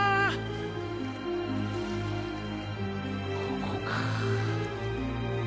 ここか。